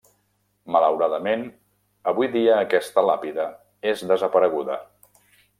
Malauradament, avui dia aquesta làpida és desapareguda.